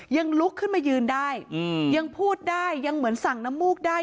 ลุกขึ้นมายืนได้ยังพูดได้ยังเหมือนสั่งน้ำมูกได้